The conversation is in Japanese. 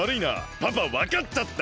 パパわかっちゃったぞ！